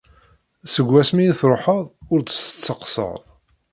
Seg wasmi i truḥeḍ ur d-testeqsaḍ.